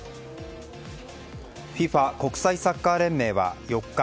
ＦＩＦＡ・国際サッカー連盟は４日